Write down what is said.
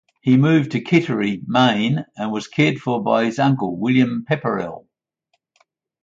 He moved to Kittery, Maine, and was cared for by his uncle, William Pepperrell.